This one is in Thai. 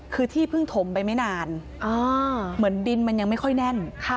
คือที่เพิ่งถมไปไม่นานเหมือนดินมันยังไม่ค่อยแน่น